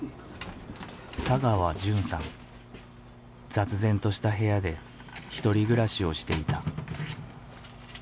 雑然とした部屋で独り暮らしをしていた。